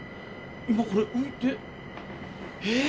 今これ浮いてえ！